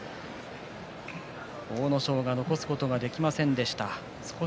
阿武咲が残すことはできませんでした。